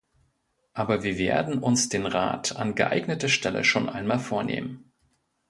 Aber wir werden uns den Rat an geeigneter Stelle schon einmal vornehmen.